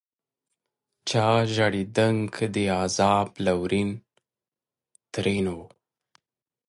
چا ژړېدنک دي عذاب لورن؛ ترينو